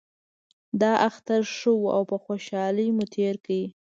دا اختر ښه و او په خوشحالۍ مو تیر کړ